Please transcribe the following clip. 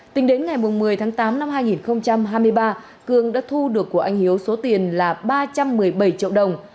tính đến ngày một mươi tháng tám năm hai nghìn hai mươi ba cương đã thu được của anh hiếu số tiền là ba trăm một mươi bảy triệu đồng